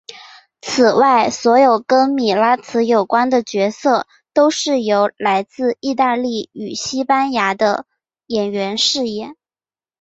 此外所有跟米拉兹有关的角色都是由来自义大利与西班牙的演员饰演。